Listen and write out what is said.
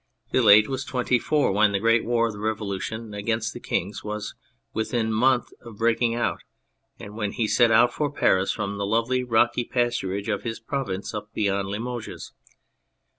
Vilate was twenty four when the great war of the Revolution against the Kings was within a month of breaking out, and when he set out for Paris from the lovely rocky pasturage of his province, up beyond Limoges.